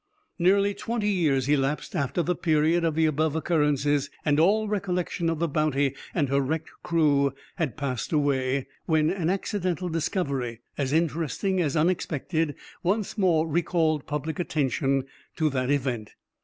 Nearly twenty years elapsed after the period of the above occurrences, and all recollection of the Bounty and her wrecked crew had passed away, when an accidental discovery, as interesting as unexpected, once more recalled public attention to that event.